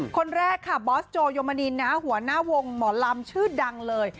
คนแรกค่ะบอสโจยมนินหัวหน้าวงหมอลำชื่อดังเลย